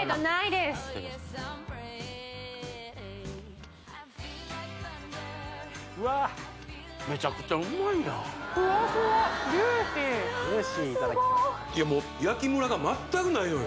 すごい焼きムラが全くないのよ